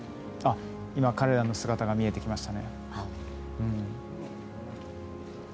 彼らの姿が見えてきました。